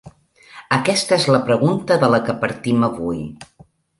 Aquesta és la pregunta de la que partim avui.